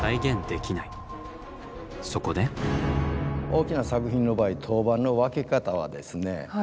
大きな作品の場合陶板の分け方はですね